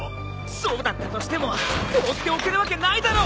そうだったとしても放っておけるわけないだろ！